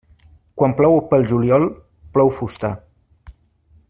Quan plou pel juliol plou fusta.